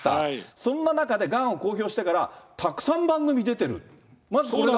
そんな中でがんを公表してから、たくさん番組出てる。